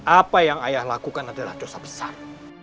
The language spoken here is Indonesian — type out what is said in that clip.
apa yang ayah lakukan adalah dosa besar